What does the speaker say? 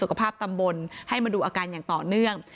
ส่งเสิร์มสุขภาพตำบลให้มาดูอาการอย่างต่อเนื่อง